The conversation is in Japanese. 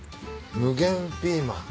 無限ピーマン